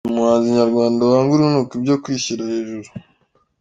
Ninjye muhanzi nyarwanda wanga urunuka ibyo kwishyira hejuru.